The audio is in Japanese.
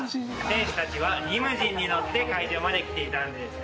選手たちはリムジンに乗って会場まで来ていたんです。